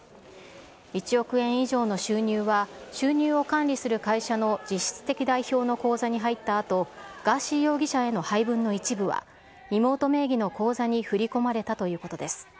１億円以上の収入は収入を管理する会社の実質的代表の口座に入ったあと、ガーシー容疑者への配分の一部は、妹名義の口座に振り込まれたということです。